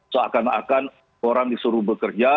seakan akan orang disuruh bekerja